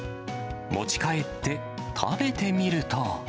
持ち帰って食べてみると。